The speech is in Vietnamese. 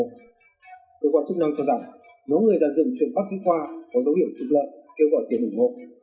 cơ quan chức năng cho rằng nếu người giả dựng chuyện bác sĩ khoa có dấu hiệu trục lợi kêu gọi tiền ủng hộ